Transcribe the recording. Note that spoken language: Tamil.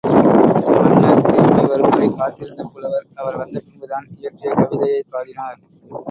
மன்னர் திரும்பி வரும்வரை காத்திருந்த புலவர், அவர் வந்த பின்பு தாம் இயற்றிய கவிதையைப் பாடினார்.